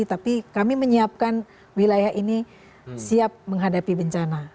tapi kami menyiapkan wilayah ini siap menghadapi bencana